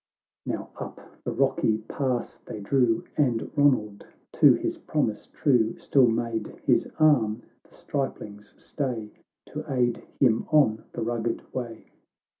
XVIII Now up the rocky pass they drew, And Ronald, to his promise true, Still made his arm the stripling's stay, To aid him on the rugged way.